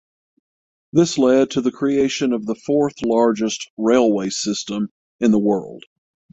This led to the creation of the fourth largest railway system in the world.